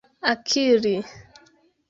akiri